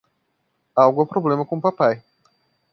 Algo é o problema com o papai.